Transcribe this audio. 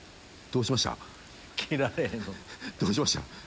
どうしました？